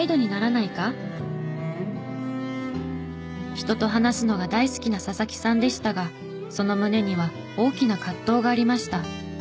人と話すのが大好きな佐々木さんでしたがその胸には大きな葛藤がありました。